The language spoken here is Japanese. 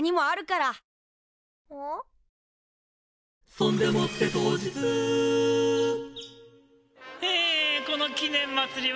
「そんでもって当日」えこの記念まつりはね